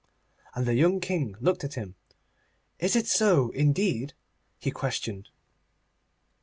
And the young King looked at him. 'Is it so, indeed?' he questioned.